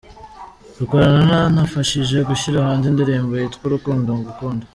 dukorana yanamfashije gushyira hanze indirimbo yitwa 'Urukundo Ngukunda”.